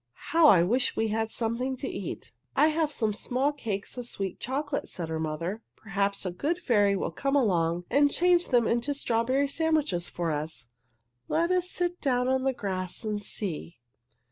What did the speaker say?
"How I wish we had something to eat!" "I have some small cakes of sweet chocolate," said her mother. "Perhaps a good fairy will come along and change them into strawberry sandwiches for us. Let us sit down on the grass and see."